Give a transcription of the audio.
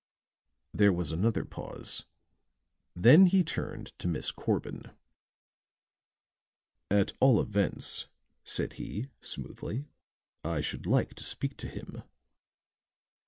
There was another pause; then he turned to Miss Corbin. "At all events," said he, smoothly, "I should like to speak to him."